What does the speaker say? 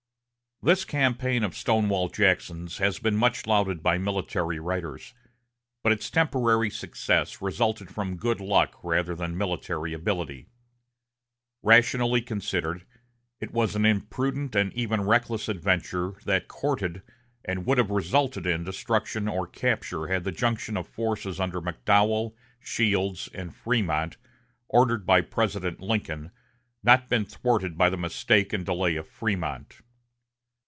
This campaign of Stonewall Jackson's has been much lauded by military writers; but its temporary success resulted from good luck rather than military ability. Rationally considered, it was an imprudent and even reckless adventure that courted and would have resulted in destruction or capture had the junction of forces under McDowell, Shields, and Frémont, ordered by President Lincoln, not been thwarted by the mistake and delay of Frémont.